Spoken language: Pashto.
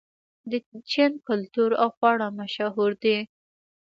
د چین کلتور او خواړه مشهور دي.